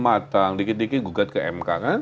matang dikit dikit gugat ke mk kan